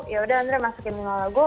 yaudah andrea masukin lima lagu